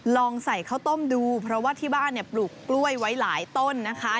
ลองใส่ข้าวต้มดูเพราะว่าที่บ้านเนี่ยปลูกกล้วยไว้หลายต้นนะคะ